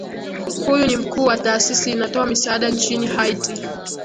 huyu ni mkuu wa taasisi inatoa misaada nchini haiti